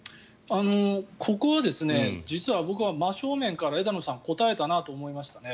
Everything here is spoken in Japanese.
ここは実は僕は真正面から枝野さん答えたなと思いましたね。